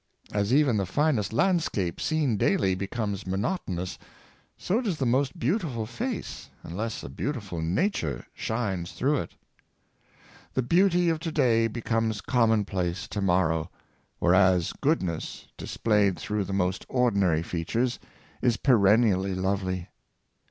As even the finest landscape, seen daily, becomes mo notonous, so does the most beautiful face, unless a beau tiful nature shines through it. The beauty of to day becomes commonplace to morrow; whereas goodness, displayed through the most ordinary features, is peren nially lovely.